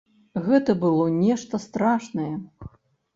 Гэта было нешта страшнае.